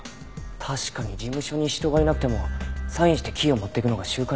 確かに事務所に人がいなくてもサインしてキーを持っていくのが習慣になっていました。